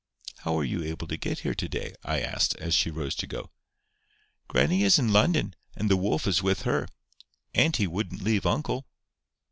"How were you able to get here to day?" I asked, as she rose to go. "Grannie is in London, and the wolf is with her. Auntie wouldn't leave uncle."